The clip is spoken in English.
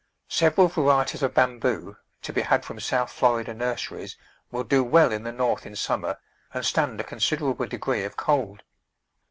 Several varieties of Bamboo, to be had from South Florida nurseries, will do well in the North in sum mer and stand a considerable degree of cold.